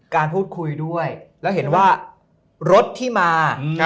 การพูดคุยด้วยแล้วเห็นว่ารถที่มา